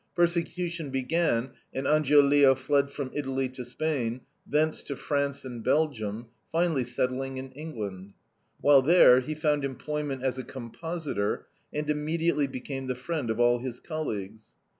Persecution began, and Angiolillo fled from Italy to Spain, thence to France and Belgium, finally settling in England. While there he found employment as a compositor, and immediately became the friend of all his colleagues.